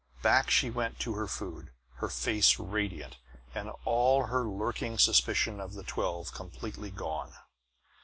Back she went to her food, her face radiant, and all her lurking suspicion of the twelve completely gone.